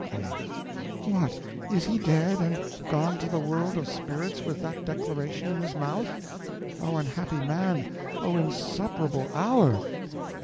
A. What, he is dead, and gone to the world of spirits with that declaration in his mouth? Oh, unhappy man! Oh, insupportable hour!